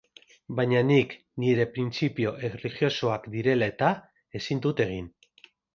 Baina nik, nire printzipio erlijiosoak direla eta, ezin dut egin.